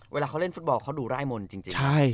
เวลาเขาเล่นฟุตบอลเขาดูร่ายมนต์จริง